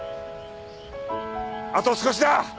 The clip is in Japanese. あと少しだ！